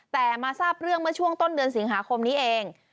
แต่มาทราบเรื่องเมื่อช่วงต้นเดือนสิงหาคมนี้เอง